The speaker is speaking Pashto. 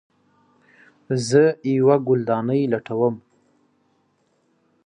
زه یوه ګلدانۍ لټوم